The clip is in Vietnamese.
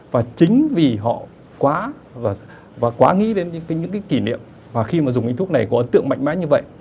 và chính vì họ quá nghĩ đến những cái kỷ niệm và khi mà dùng những cái thuốc này có ấn tượng mạnh mẽ như vậy